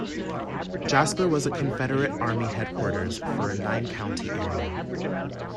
Jasper was a Confederate Army headquarters for a nine-county area.